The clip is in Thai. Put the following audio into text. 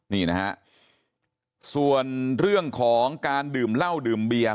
นี่นะฮะส่วนเรื่องของการดื่มเหล้าดื่มเบียร์